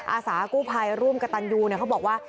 อาสากู้ภัยร่วมกับตันยูเขาบอกว่า